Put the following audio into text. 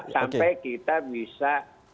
sampai kita bisa